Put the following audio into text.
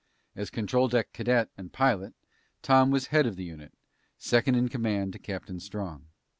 As control deck cadet and pilot, Tom was head of the unit, second in command to Captain Strong.